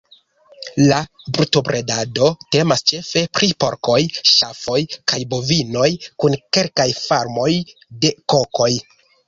La brutobredado temas ĉefe pri porkoj, ŝafoj kaj bovinoj, kun kelkaj farmoj de kokoj.